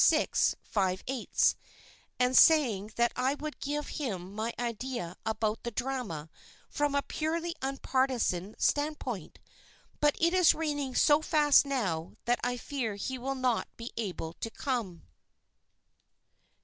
6 5/8, and saying that I would give him my idea about the drama from a purely unpartisan standpoint, but it is raining so fast now that I fear he will not be able to come.